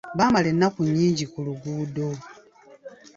Baamala ennaku nnyingi ku luguudo.